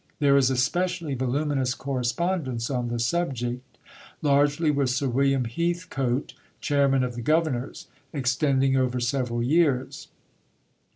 There is a specially voluminous correspondence on the subject, largely with Sir William Heathcote (chairman of the Governors), extending over several years.